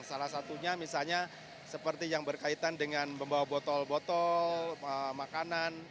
salah satunya misalnya seperti yang berkaitan dengan membawa botol botol makanan